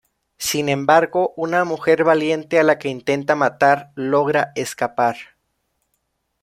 Sin embargo, una mujer valiente a la que intenta matar logra escapar.